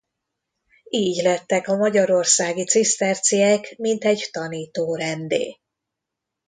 Így lettek a magyarországi ciszterciek mintegy tanítórenddé.